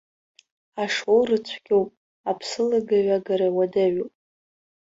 Ашоура цәгьоуп, аԥсылагаҩагара уадаҩуп.